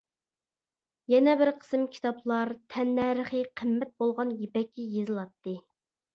يەنە بىر قىسىم كىتابلار تەننەرخى قىممەت بولغان يىپەككە يېزىلاتتى.